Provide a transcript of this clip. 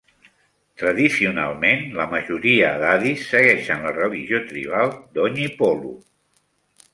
Tradicionalment, la majoria d'Adis segueixen la religió tribal Donyi-Polo.